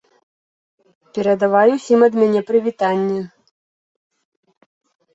Перадавай усім ад мяне прывітанне.